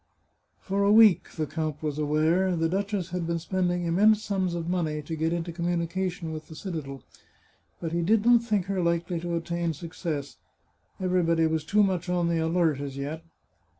For a week, the count was aware, the duchess had been spending immense sums of money to get into communica tion with the citadel. But he did not think her likely to attain success. Everybody was too much on the alert as yet.